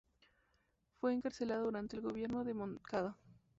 Fue encarcelada durante el gobierno de Moncada.